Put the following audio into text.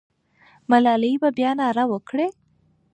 ملالۍ به بیا ناره وکړي.